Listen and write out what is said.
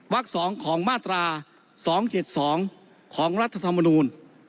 วัก๒ของมาตรา๒๗๒ของรัฐธรรมนูล